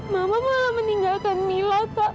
mama malah meninggalkan mila pak